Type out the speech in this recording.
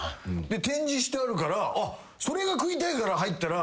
で展示してあるからそれが食いたいから入ったら。